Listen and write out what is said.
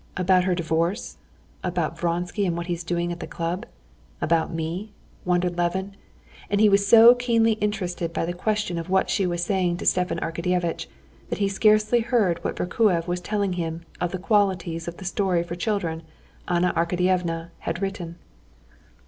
"About her divorce, about Vronsky, and what he's doing at the club, about me?" wondered Levin. And he was so keenly interested by the question of what she was saying to Stepan Arkadyevitch, that he scarcely heard what Vorkuev was telling him of the qualities of the story for children Anna Arkadyevna had written.